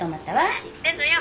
☎何言ってんのよ！